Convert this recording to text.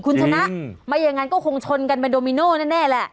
คุณชนะไม่อย่างนั้นก็คงชนกันเป็นโดมิโน่แน่แหละ